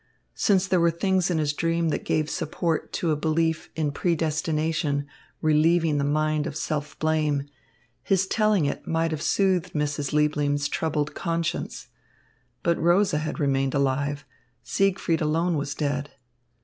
Since there were things in his dream that gave support to a belief in predestination relieving the mind of self blame, his telling it might have soothed Mrs. Liebling's troubled conscience; but Rosa had remained alive, Siegfried alone was dead.